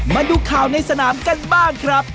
มาดูข่าวในสนามกันบ้างครับ